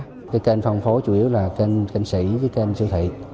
cái kênh phòng phố chủ yếu là kênh kênh sĩ với kênh siêu thị